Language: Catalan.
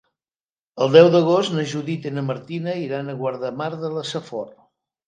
El deu d'agost na Judit i na Martina iran a Guardamar de la Safor.